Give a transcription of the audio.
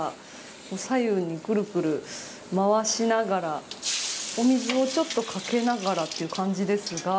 左右にくるくる回しながらお水をちょっとかけながらという感じですが。